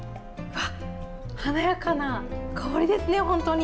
華やかな香りですね、本当に。